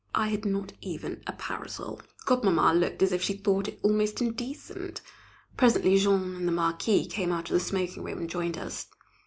I had not even a parasol. Godmamma looked as if she thought it almost indecent. Presently Jean and the Marquis came out of the smoking room and joined us.